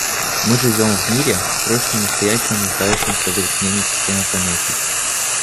Мы живем в мире, срочно и настоятельно нуждающемся в изменении системы понятий.